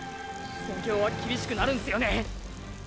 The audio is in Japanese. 戦況は厳しくなるんすよね？